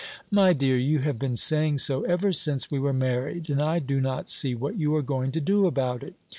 "My dear, you have been saying so ever since we were married, and I do not see what you are going to do about it.